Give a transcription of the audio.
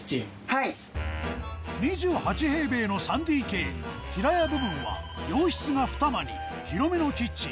２８平米の３ＤＫ平屋部分は洋室が２間に広めのキッチン。